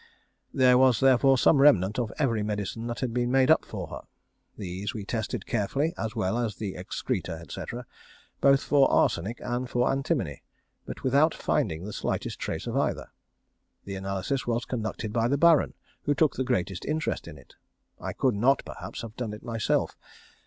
There was therefore some remnant of every medicine that had been made up for her. These we tested carefully, as well as the excreta, &c., both for arsenic and for antimony, but without finding the slightest trace of either. The analysis was conducted by the Baron, who took the greatest interest in it. I could not, perhaps, have done it myself.